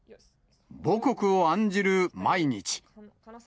母国を案じる毎日。